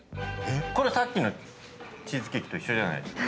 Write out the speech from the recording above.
これ、さっきのチーズケーキと一緒じゃないですか？